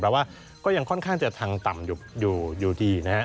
เพราะว่าก็ยังค่อนข้างจะทังต่ำอยู่ที่นะครับ